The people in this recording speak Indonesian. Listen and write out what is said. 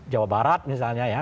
jawa barat misalnya ya